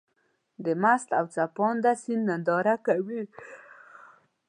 د مست او څپانده سيند ننداره کوې.